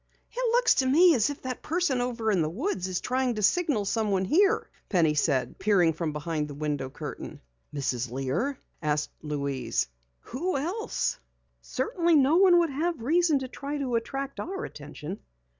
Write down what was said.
"It looks to me as if that person over in the woods is trying to signal someone here!" Penny said, peering from behind the window curtain. "Mrs. Lear?" asked Louise. "Who else? Certainly no one would have reason to try to attract our attention."